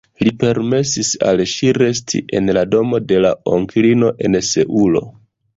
Li permesis al ŝi resti en la domo de la onklino en Seulo.